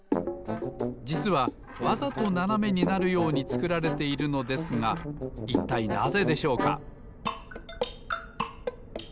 じつはわざとななめになるようにつくられているのですがいったいなぜでしょうか？